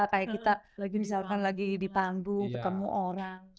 kayak kita lagi misalkan lagi di panggung ketemu orang